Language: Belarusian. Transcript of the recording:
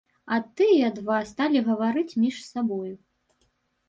А тыя два сталі гаварыць між сабою.